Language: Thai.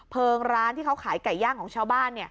ร้านที่เขาขายไก่ย่างของชาวบ้าน